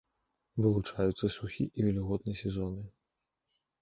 Вылучаюцца сухі і вільготны сезоны.